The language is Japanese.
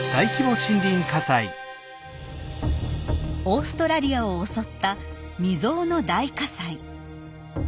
オーストラリアを襲った未曽有の大火災。